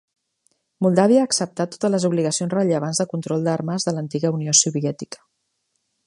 Moldàvia ha acceptat totes les obligacions rellevants de control d'armes de l'antiga Unió Soviètica.